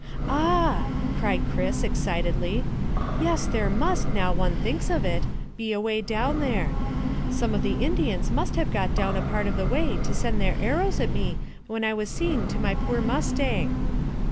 "Ah!" cried Chris excitedly. "Yes, there must, now one thinks of it, be a way down there. Some of the Indians must have got down a part of the way to send their arrows at me when I was seeing to my poor mustang."